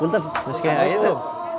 bunten besoknya ayo